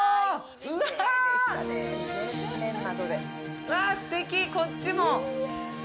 わあ、すてき、こっちも。